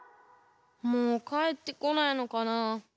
もうかえってこないのかなあ。